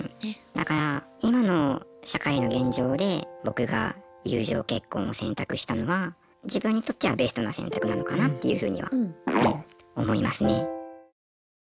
だから、今の社会の現状で僕が友情結婚を選択したのは自分にとってはベストな選択なのかなっていうふうには思いますね。